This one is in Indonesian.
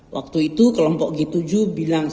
waktu itu kelompok g tujuh bilang